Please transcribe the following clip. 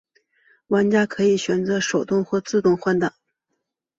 玩家可以选择手动或者自动换挡。